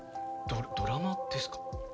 ドラマですか？